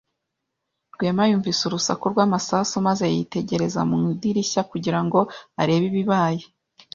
Rwema yumvise urusaku rw'amasasu maze yitegereza mu idirishya kugira ngo arebe ibibaye.